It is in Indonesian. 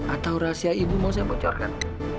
atau rahasia ibu mau saya bocorkan